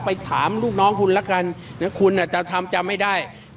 ไปถามลูกน้องคุณละกันคุณอาจจะทำจำไม่ได้